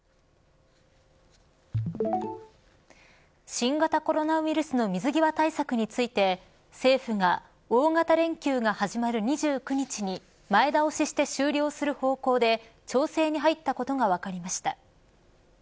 新型コロナウイルスの水際対策について政府が大型連休が始まる２９日に前倒しして終了する方向で調整に入ったことが分かりました。